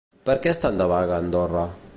Per què estan de vaga a Andorra?